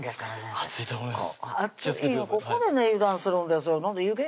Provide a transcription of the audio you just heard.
熱いのここでね油断するんですよ